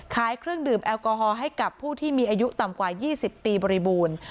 เครื่องดื่มแอลกอฮอล์ให้กับผู้ที่มีอายุต่ำกว่า๒๐ปีบริบูรณ์